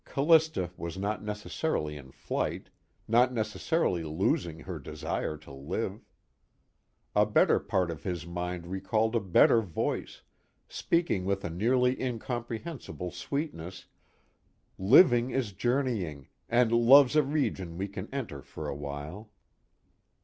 _ Callista was not necessarily in flight, not necessarily losing her desire to live. A better part of his mind recalled a better voice, speaking with a nearly incomprehensible sweetness: "_Living is journeying, and love's a region we can enter for a while.